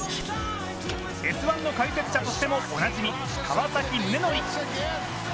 「Ｓ☆１」の解説者としてもおなじみ川崎宗則。